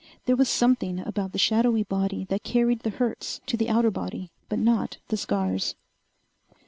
There was something about the shadowy body that carried the hurts to the outer body, but not the scars....